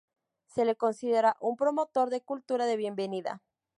Se le considera un promotor de cultura de bienvenida.